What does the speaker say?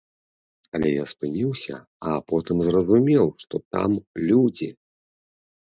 Але я спыніўся, а потым зразумеў, што там людзі!